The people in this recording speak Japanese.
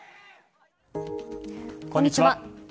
こんにちは。